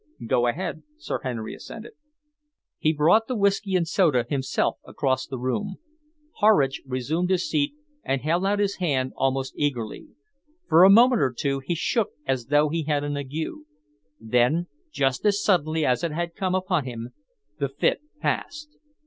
"Go ahead," Sir Henry assented. He brought the whisky and soda himself across the room. Horridge resumed his seat and held out his hand almost eagerly. For a moment or two he shook as though he had an ague. Then, just as suddenly as it had come upon him, the fit passed.